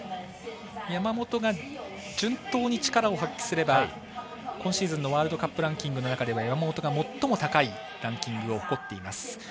山本が順当に力を発揮すれば今シーズンのワールドカップランキングの中で山本が最も高いランキングを誇っています。